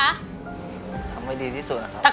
ทำให้ดีที่สุดนะครับ